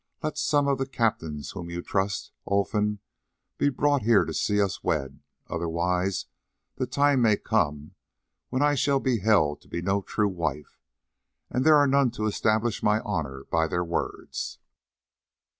Let some of the captains whom you trust, Olfan, be brought here to see us wed, otherwise the time may come when I shall be held to be no true wife, and there are none to establish my honour by their words."